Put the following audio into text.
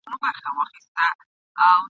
ملنګه جهاني د پاچاهانو دښمني ده !.